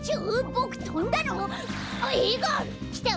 ボクとんだの？